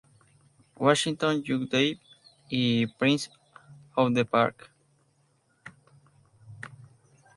Washington, Young David y Prince of the Park.